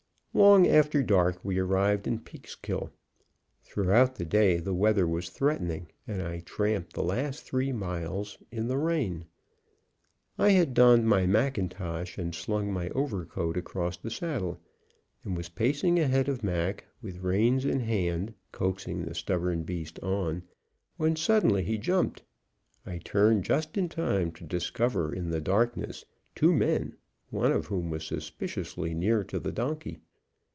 Long after dark we arrived in Peekskill. Throughout the day the weather was threatening, and I tramped the last three miles in the rain. I had donned my mackintosh and slung my overcoat across the saddle, and was pacing ahead of Mac, with reins in hand, coaxing the stubborn beast on, when suddenly he jumped. I turned just in time to discover in the darkness two men, one of whom was suspiciously near to the donkey.